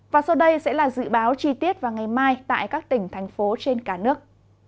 và sau đây sẽ là dự báo chi tiết vào ngày mai tại các tỉnh thành phố trên cả nước